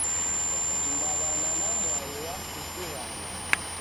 Mdaw'ana na mwai w'asusughana